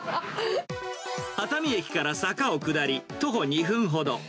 熱海駅から坂を下り、徒歩２分ほど。